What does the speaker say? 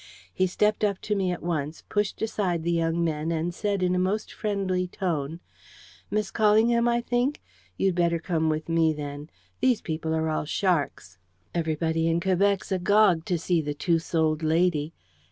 He stepped up to me at once, pushed aside the young men, and said in a most friendly tone: "Miss Callingham, I think? You'd better come with me, then. These people are all sharks. Everybody in Quebec's agog to see the Two souled Lady.